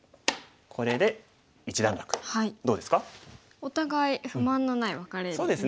お互い不満のないワカレに見えますね。